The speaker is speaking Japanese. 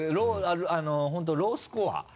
本当ロースコア。